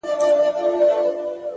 مثبت فکر د ذهن کړکۍ پاکوي؛